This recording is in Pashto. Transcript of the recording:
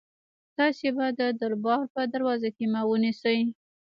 تاسي به د دربار په دروازه کې ما ونیسئ.